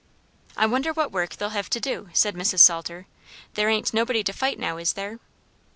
"I wonder what work they do hev' to do?" said Mrs. Salter; "there ain't nobody to fight now, is there?"